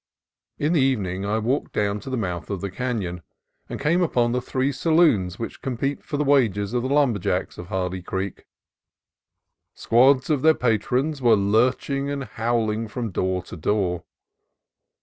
In the evening I walked down to the mouth of the canon and came upon the three saloons which compete for the wages of the lumber jacks of Hardy Creek. Squads of their patrons were lurching and howling from door to door.